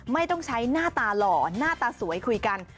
ไม่ต้องใช้หน้าตาหล่อหน้าตาสวยคุยกัน